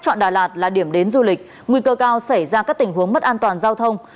chọn đà lạt là điểm đến du lịch nguy cơ cao xảy ra các tình huống mất an toàn giao thông